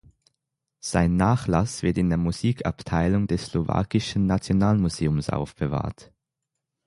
Sein Nachlass wird in der Musikabteilung des Slowakischen Nationalmuseums aufbewahrt.